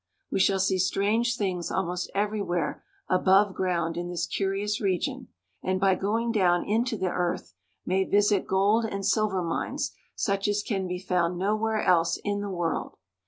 We shall see strange things almost everywhere above ground in this curious region, and by going down into the earth may visit gold and silver mines such as can be found nowhere else in the world.